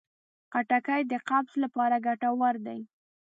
خټکی د قبض لپاره ګټور دی.